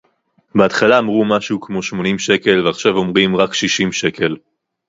בהתחלה אמרו משהו כמו שמונים שקל ועכשיו אומרים רק שישים שקל